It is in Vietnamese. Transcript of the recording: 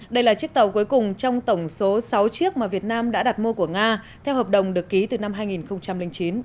đây là chiếc tàu cuối cùng trong tổng số sáu chiếc mà việt nam đã đặt mua của nga theo hợp đồng được ký từ năm hai nghìn chín